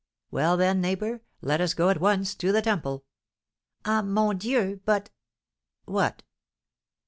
"Well, then, neighbour, let us go at once to the Temple:" "Ah, mon Dieu! but " "What?"